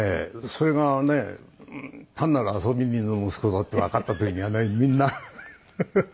それがね単なる遊び人の息子だってわかった時にはねみんなフフッ！